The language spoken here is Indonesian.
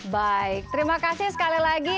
baik terima kasih sekali lagi